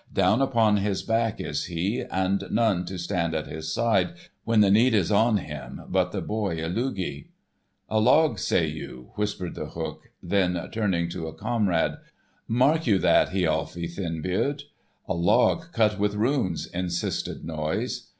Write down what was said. Down upon his back he is, and none to stand at his side, when the need is on him, but the boy Illugi." "A log, say you?" whispered The Hook. Then turning to a comrade: "Mark you that, Hialfi Thinbeard." "A log cut with runes," insisted Noise.